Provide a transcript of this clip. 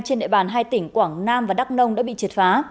trên địa bàn hai tỉnh quảng nam và đắk nông đã bị triệt phá